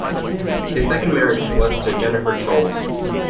His second marriage was to Jennifer Tole.